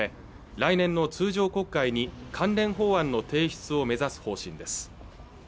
来年の通常国会に関連法案の提出を目指す方針です